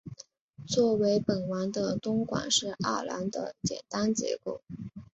作为本丸的东馆是二廓的简单结构。